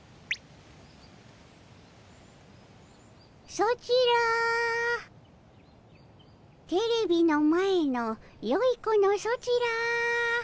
ソチらテレビの前のよい子のソチら。